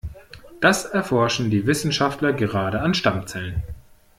Das erforschen die Wissenschaftler gerade an Stammzellen.